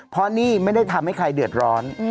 เพราะนี่ไม่ได้ทำให้ใครเดือดร้อน